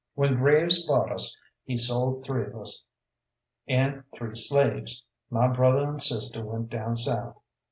When Graves bought us, he sold three of us an' three slaves. My brother an' sister went down south.